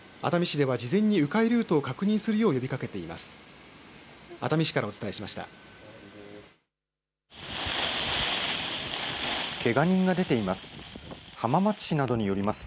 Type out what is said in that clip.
熱海市では事前に、う回ルートを確認するよう呼びかけています。